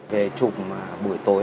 về chụp buổi tối